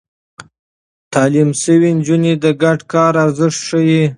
تعليم شوې نجونې د ګډ کار ارزښت ښيي.